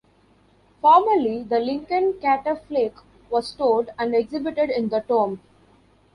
Formerly, the Lincoln Catafalque was stored and exhibited in the tomb.